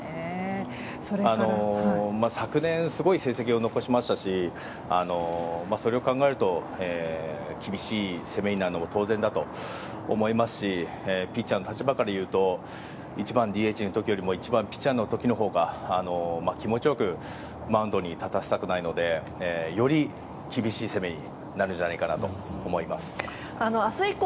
昨年、すごい成績を残しましたしそれを考えると厳しい攻めになるのも当然だと思いますしピッチャーの立場から言うと１番ＤＨの時よりも１番ピッチャーの時のほうが気持ちよくマウンドに立たせたくないのでより厳しい攻めになるんじゃないかと思います。